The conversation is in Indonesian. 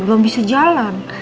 belum bisa jalan